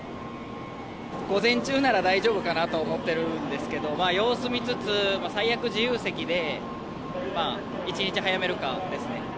午前中なら大丈夫かなと思ってるんですけど、様子見つつ、最悪自由席で、１日早めるかですね。